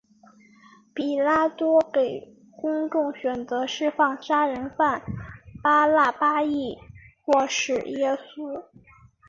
比拉多给公众选择释放杀人犯巴辣巴抑或是耶稣。